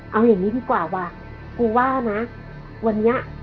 เอาอย่างนี้ดีกว่าว่ะกูว่านะวันนี้